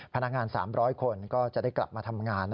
พนักงาน๓๐๐คนก็จะได้กลับมาทำงาน